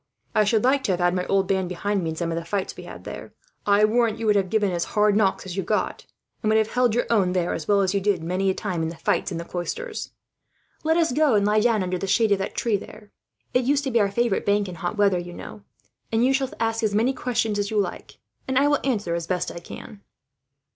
I should like to have had my old band behind me, in some of the fights we had there. I warrant you would have given as hard knocks as you got, and would have held your own there, as well as you did many a time in the fights in the Cloisters. "Let us go and lie down under the shade of that tree, there. It used to be our favourite bank, you know, in hot weather; and you shall ask as many questions as you like, and I will answer as best I can."